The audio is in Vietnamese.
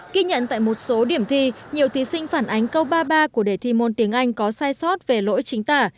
ký nhận tại một số điểm thi nhiều thí sinh phản ánh câu ba mươi ba của đề thi môn tiếng anh có sai sót về lỗi chính tả